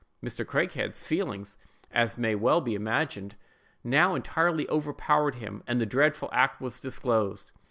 Mr. Craighead's feelings, as may well be imagined, now entirely overpowered him, and the dreadful fact was disclosed.